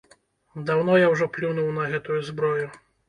Даўно я ўжо плюнуў на гэтую зброю.